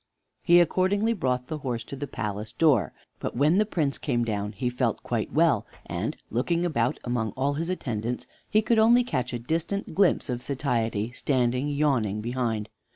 He accordingly brought the horse to the palace door. But when the Prince came down he felt quite well, and, looking about among all his attendants, he could only catch a distant glimpse of Satiety standing yawning behind.